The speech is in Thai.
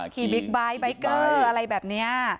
ขี่บิ๊กบ้ายบิ๊กเกอร์อะไรแบบนี้